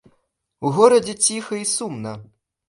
У горадзе ціха і сумна.